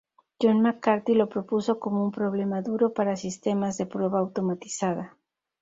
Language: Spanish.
John McCarthy lo propuso como un "problema duro" para sistemas de prueba automatizada.